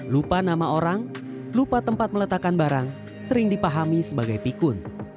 lupa nama orang lupa tempat meletakkan barang sering dipahami sebagai pikun